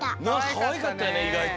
かわいかったよねいがいと。